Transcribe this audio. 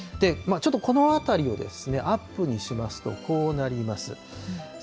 ちょっとこのあたりをアップにしますと、こうなります。